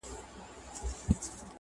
بیځایه مصرف کم کړه